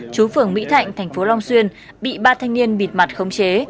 chú phưởng mỹ thạnh thành phố long xuyên bị ba thanh niên bịt mặt không chế